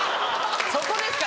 そこですか？